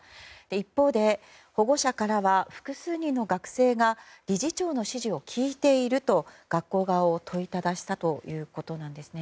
一方で、保護者からは複数人の学生が理事長の指示を聞いていると学校側を問いただしたということなんですね。